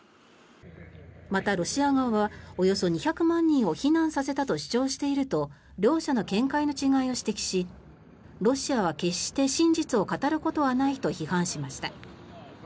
また、ロシア側はおよそ２００万人を避難させたと主張していると両者の見解の違いを指摘しロシアは決して真実を語ることはないと批判しました。